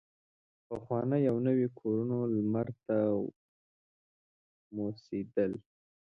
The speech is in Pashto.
پخواني او نوي کورونه لمر ته موسېدل.